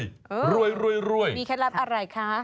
รวยมีเคล็ดลับอะไรคะ